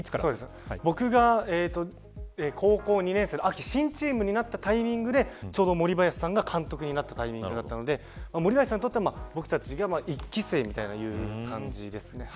僕が高校２年生の秋新チームになったタイミングでちょうど森林さんが監督になったので森林さんにとっては僕たちが１期生みたいな感じですね。